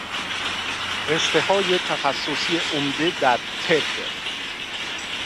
رشتههای تخصصی عمده در طب